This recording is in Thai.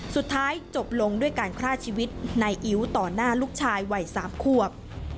สุดท้ายจบลงด้วยการฆ่าชีวิตนายอิ๋วต่อหน้าลูกชายวัย๓ขวบ